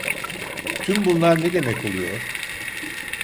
Tüm bunlar ne demek oluyor?